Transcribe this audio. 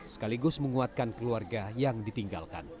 sekaligus menguatkan keluarga yang ditinggalkan